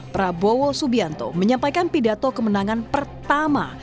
prabowo subianto menyampaikan pidato kemenangan pertama